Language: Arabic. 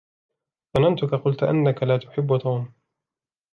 ظننتك قلت أنك لا تحب توم.